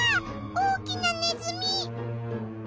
大きなネズミ！